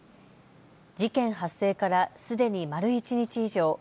事件発生からすでに丸一日以上。